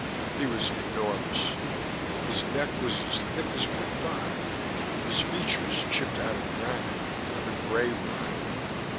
He was enormous: his neck was as thick as my thigh, his features chipped out of granite, the grey variety.